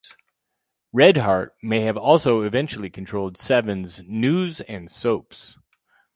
Red Heart may have also eventually controlled Seven's news and soaps.